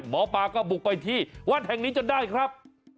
หมอปลาก็บุกไปที่วัดแห่งนี้จนได้ครับ